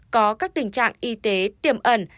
có các tình trạng y tế tiềm ẩn